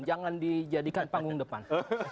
jangan dijadikan panggung depan